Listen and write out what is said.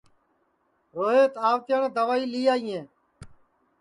روہیت آوتیاٹؔے دئوائی لی آئیئے